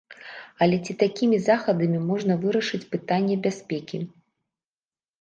Але ці такімі захадамі можна вырашыць пытанне бяспекі?